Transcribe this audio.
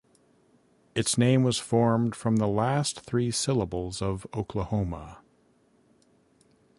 Its name was formed from the last three syllables of Oklahoma.